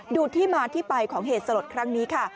ดูที่มาที่ไปของเหตุสลดครั้งนี้ค่ะ